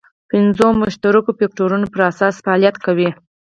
پنځو مشترکو فکټورونو پر اساس فعالیت کوي.